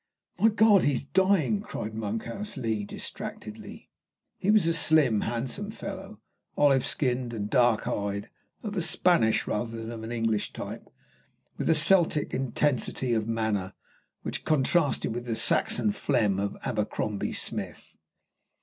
"My God! he's dying!" cried Monkhouse Lee distractedly. He was a slim, handsome young fellow, olive skinned and dark eyed, of a Spanish rather than of an English type, with a Celtic intensity of manner which contrasted with the Saxon phlegm of Abercombie Smith.